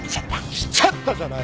「来ちゃった」じゃない！